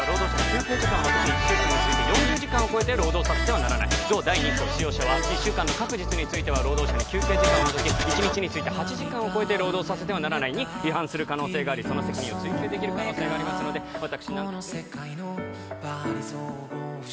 「１週間について４０時間を超えて労働させてはならない」「同第２項使用者は１週間の各日については労働者に休憩時間を除き」「１日について８時間を超えて労働させてはならない」に違反する可能性がありその責任を追及できる可能性がありますので私